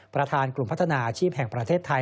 ประธานกลุ่มพัฒนาอาชีพแห่งประเทศไทย